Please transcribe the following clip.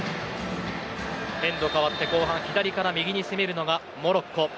エンドが変わって後半左から右に攻めるのがモロッコ。